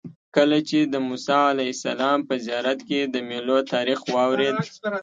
کله چې د موسی علیه السلام په زیارت کې د میلو تاریخ واورېد.